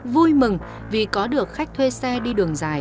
vui mừng vì có được khách thuê xe đi đường dài